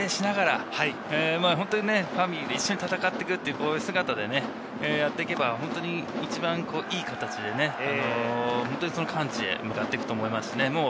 こうやってプレーしながら、本当にファミリーで一緒に闘っていくという姿でやっていけば、本当に一番いい形で完治へ向かっていくと思いますしね。